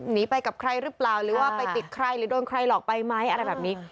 หนีไปกับใครหรือเปล่าหรือว่าไปติดใครหรือโดนใครหลอกไปไหมอะไรแบบนี้